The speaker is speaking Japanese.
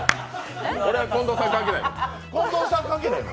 近藤さん、関係ないの？